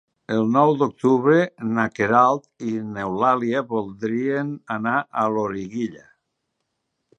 El nou d'octubre na Queralt i n'Eulàlia voldrien anar a Loriguilla.